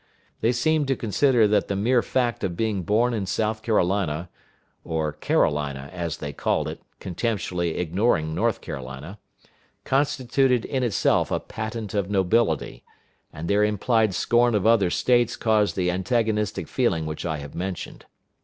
They seemed to consider that the mere fact of being born in South Carolina (or Carolina, as they called it, contemptuously ignoring North Carolina) constituted in itself a patent of nobility; and their implied scorn of other States caused the antagonistic feeling which I have mentioned.